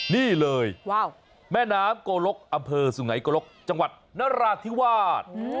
นี่เลยแม่น้ำโกลกอำเพอสุนไหนโกลกนราธิวาส